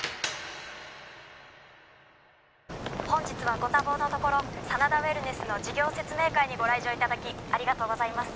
本日はご多忙のところ真田ウェルネスの事業説明会にご来場いただきありがとうございます